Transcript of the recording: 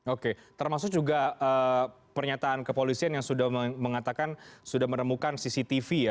oke termasuk juga pernyataan kepolisian yang sudah mengatakan sudah menemukan cctv ya